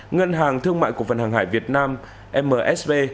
ngân hàng thương mại cổ phần hàng hải việt nam msb